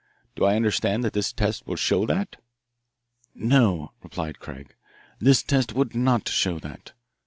Do I understand that this test would show that?" "No," replied Craig, "this test would not show that.